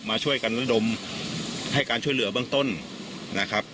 มาช่วยกันระดมให้การช่วยเหลือเบื้องต้นนะครับ